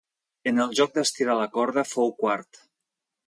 En el joc d'estirar la corda fou quart.